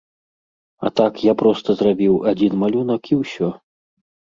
А так я проста зрабіў адзін малюнак і ўсё.